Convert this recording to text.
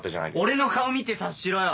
俺の顔見て察しろよ！